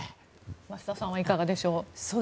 増田さんはいかがでしょう。